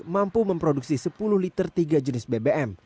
mampu memproduksi sepuluh liter tiga jenis bbm